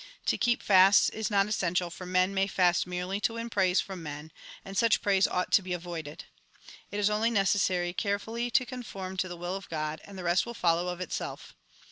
To keep fasts is not essential, for men may fast merely to win praise from men, aud such praise ought to be avoided. It is only necessary carefully to conform to the will of God, and the rest will follow of itself.